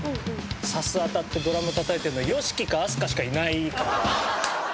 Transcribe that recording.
サス当たってドラムたたいてるのはＹＯＳＨＩＫＩかＡＳＵＫＡしかいないかも。